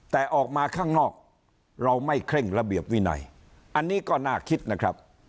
แต่ออกมาข้างนอกเราไม่เคร่งระเบียบวินัยอันนี้ก็น่าคิดนะครับ